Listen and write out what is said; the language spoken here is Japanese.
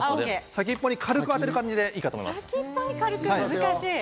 先っぽに軽く当てる感じでいいかと思います。